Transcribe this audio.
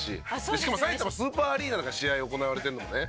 しかもさいたまスーパーアリーナだから試合行われてるのもね。